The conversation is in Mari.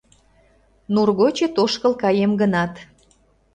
Нур гочет ошкыл каем гынат